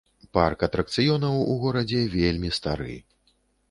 Парк атракцыёнаў у горадзе вельмі стары.